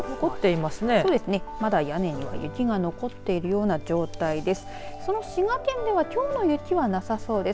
まだ屋根には雪が残っているような状態です。